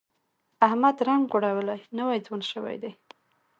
احمد رنګ غوړولی، نوی ځوان شوی دی.